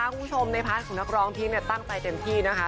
คุณผู้ชมในพาร์ทของนักร้องพีคตั้งใจเต็มที่นะคะ